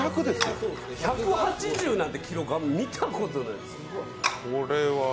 １８０なんて記録は見たことないです